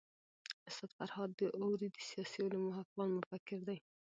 استاد فرهاد داوري د سياسي علومو افغان مفکر دی.